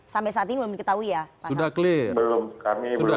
sampai saat ini belum diketahui ya